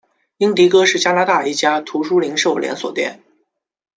英迪戈是加拿大一家图书零售连锁店。